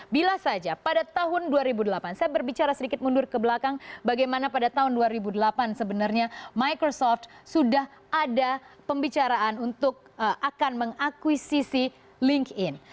bila saja pada tahun dua ribu delapan saya berbicara sedikit mundur ke belakang bagaimana pada tahun dua ribu delapan sebenarnya microsoft sudah ada pembicaraan untuk akan mengakuisisi linkedin